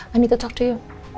saya perlu bicara sama kamu